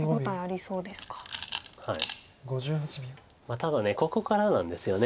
ただここからなんですよね。